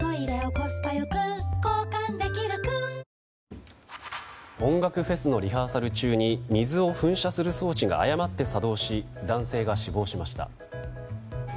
ニトリ音楽フェスのリハーサル中に水を噴射する装置が誤って作動し男性が死亡しました。